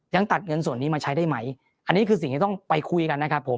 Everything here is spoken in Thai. ยังตัดเงินส่วนนี้มาใช้ได้ไหมอันนี้คือสิ่งที่ต้องไปคุยกันนะครับผม